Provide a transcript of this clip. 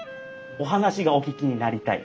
お話がお聞きになりたい？